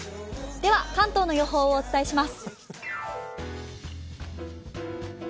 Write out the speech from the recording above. では関東の予報をお伝えします。